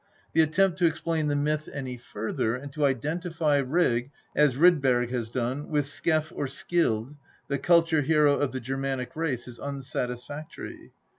The attempt to explain the myth any further, and to identify Rig, as Rydberg has done, with Skef or Scyld, the culture hero of the Germanic race, is unsatisfactory.